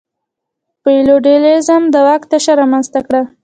فیوډالېزم د واک تشه رامنځته کړه.